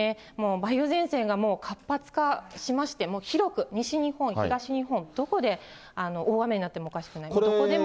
梅雨前線がもう活発化しまして、広く西日本、東日本、どこで大雨になってもおかしくない。